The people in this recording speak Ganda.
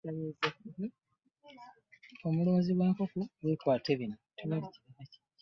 Omulunzi w'enkoko weekwate bino.